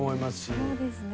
そうですね。